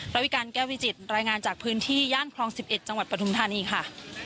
วิการแก้วิจิตรายงานจากพื้นที่ย่านคลอง๑๑จังหวัดปฐุมธานีค่ะ